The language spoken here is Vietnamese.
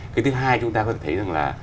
cái thứ hai chúng ta có thể thấy rằng là